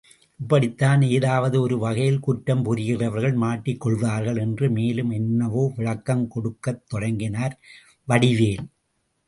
இப்படித்தான் எதாவது ஒரு வகையில் குற்றம் புரிகிறவர்கள் மாட்டிக்கொள்வார்கள் என்று மேலும் என்னவோ விளக்கம் கொடுக்கத் தொடங்கினார் வடிவேல்.